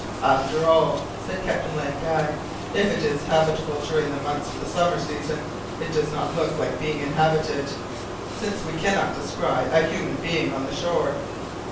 "After all," said Captain Len Guy, "if it is habitable during the months of the summer season, it does not look like being inhabited, since we cannot descry a human being on the shore."